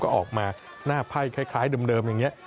ก็ออกมาหน้าไพ่คล้ายเดิมอย่างนี้